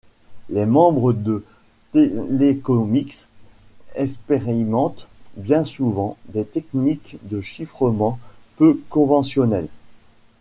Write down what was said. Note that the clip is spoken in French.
Les membres de Telecomix expérimentent bien souvent des techniques de chiffrement peu conventionnelles.